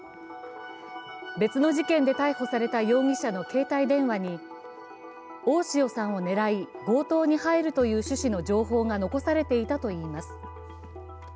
別の事件で逮捕された容疑者の携帯電話に大塩さんを狙い、強盗に入るという趣旨の情報が残されていたといいます。